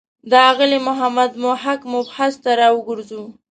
د ښاغلي محمد محق مبحث ته راوګرځو.